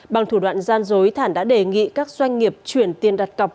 bằng thủ đoạn gian dối thản đã đề nghị các doanh nghiệp chuyển tiền đặt cọc